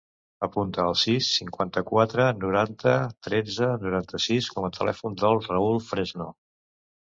Apunta el sis, cinquanta-quatre, noranta, tretze, noranta-sis com a telèfon del Raül Fresno.